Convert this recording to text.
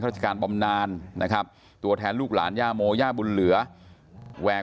ราชการบำนานนะครับตัวแทนลูกหลานย่าโมย่าบุญเหลือแหวก